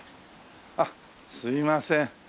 あっすいません。